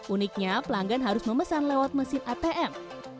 uniknya pelanggan harus memesan lewat mesin atm